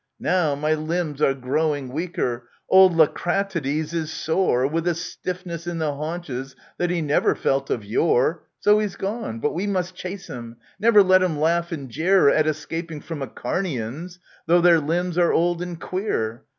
Now my limbs are growing weaker ; old Lacratides is sore With a stiffness in the haunches that he never felt of yore, So he's gone : but we must chase him ! Never let him laugh and jeer At escaping from Acharnians, though their limbs are old and queer